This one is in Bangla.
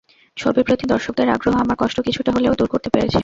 ছবির প্রতি দর্শকদের আগ্রহ আমার কষ্ট কিছুটা হলে দূর করতে পেরেছে।